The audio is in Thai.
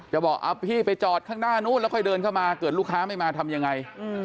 บอกพี่ไปจอดข้างหน้านู้นแล้วค่อยเดินเข้ามาเกิดลูกค้าไม่มาทำยังไง